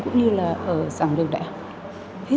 cũng như là ở sàng đường đại học